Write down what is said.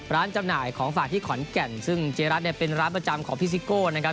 จำหน่ายของฝากที่ขอนแก่นซึ่งเจ๊รัฐเนี่ยเป็นร้านประจำของพี่ซิโก้นะครับ